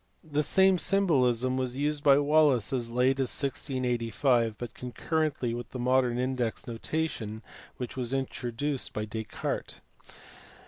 The same symbolism was used by Wallis as late as 1685, but concurrently with the modern index notation which was introduced by Descartes.